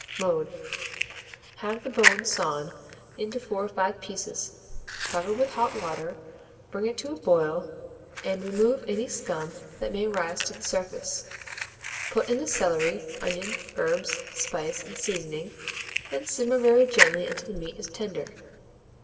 Mode. Have the bone sawn into 4 or 5 pieces, cover with hot water, bring it to a boil, and remove any scum that may rise to the surface. Put in the celery, onion, herbs, spice, and seasoning, and simmer very gently until the meat is tender.